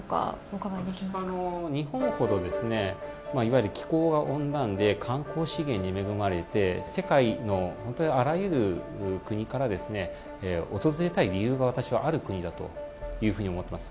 日本ほど気温が温暖で観光資源に恵まれて世界のあらゆる国から訪れたい理由がある国だと思っています。